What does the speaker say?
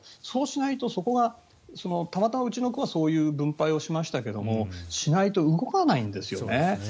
そうしないとそこがたまたまうちの区はそういう分配をしましたけどしないと動かないんですよね。